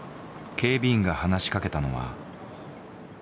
警備員が話しかけたのは。